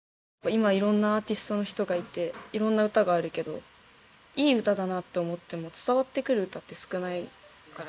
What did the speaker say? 今いろんなアーティストの人がいていろんな歌があるけどいい歌だなって思っても伝わってくる歌って少ないから。